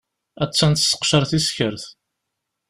Attan tesseqcaṛ tiskert.